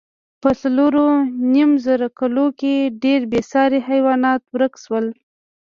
په څلورو نیم زره کلو کې ډېری بېساري حیوانات ورک شول.